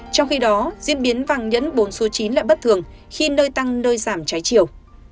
trong khi đó diễn biến vàng nhẫn bốn số chín lại bất thường khi nơi tăng nơi giảm trái chiều